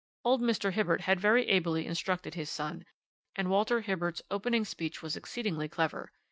"Old Mr. Hibbert had very ably instructed his son, and Walter Hibbert's opening speech was exceedingly clever.